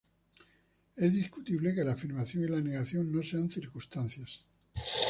Es discutible que la afirmación y la negación no sean circunstancias.